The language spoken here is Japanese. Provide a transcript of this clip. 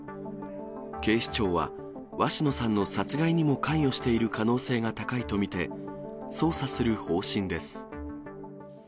警視庁は、鷲野さんの殺害にも関与している可能性が高いと見て、捜査する方針です。